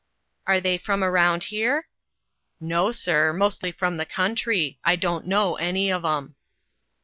" Are they from around here ?"" No, sir ; mostly from the country ; I don't know any of 'em."